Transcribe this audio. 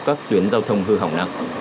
các tuyến giao thông